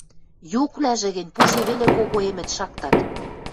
Юквлӓжӹ гӹнь пуше веле когоэмыт, шактат.